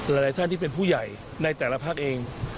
หลายท่านที่เป็นผู้ใหญ่ในแต่ละภาคเอง